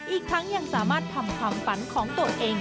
อีกทั้งยังสามารถทำความฝันของตัวเอง